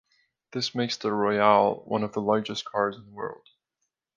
This makes the Royale one of the largest cars in the world.